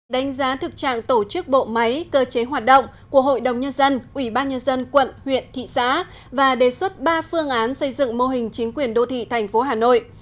đánh giá thực trạng tổ chức bộ máy cơ chế hoạt động của hội đồng nhân dân ủy ban nhân dân quận huyện thị xã và đề xuất ba phương án xây dựng mô hình chính quyền đô thị thành phố hà nội